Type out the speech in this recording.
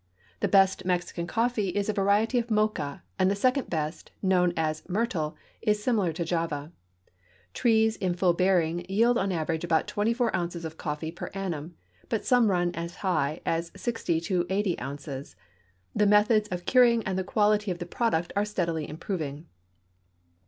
The best Mexican coffee is a variety of mocha, and the second best, known as myrtle, is similar to Java. Trees in full bearing yield on an average about 24 ounces of coffee per annum, but some run as high as 60 to 80 ounces. The methods of curing and the quality of the product are steadily improving.